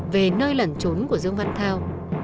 về nơi lần trốn của dương văn thao